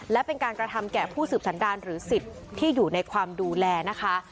และเป็นการกระทำแก่ผู้สืบสันดารหรือสิทธิ์ที่อยู่ในความดูแลนะคะ